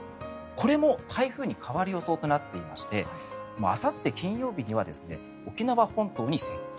これも台風に変わる予想となっていましてあさって金曜日には沖縄本島に接近。